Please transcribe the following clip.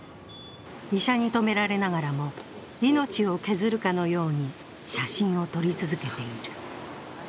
医者に止められながらも、命を削るかのように写真を撮り続けている。